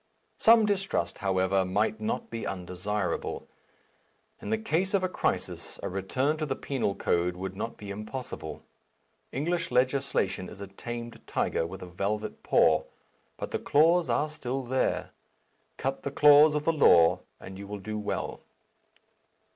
Some distrust, however, might not be undesirable. In the case of a crisis, a return to the penal code would not be impossible. English legislation is a tamed tiger with a velvet paw, but the claws are still there. Cut the claws of the law, and you will do well.